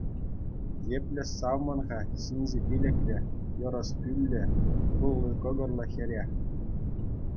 Епле савмӑн-ха ҫинҫе пилӗклӗ, йӑрӑс пӳллӗ, тулли кӑкӑрлӑ хӗре?